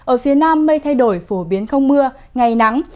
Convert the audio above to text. ở phía nam mây thay đổi phổ biến không mưa ngày nắng